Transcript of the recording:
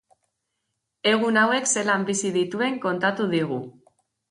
Egun hauek zelan bizi dituen kontatu digu.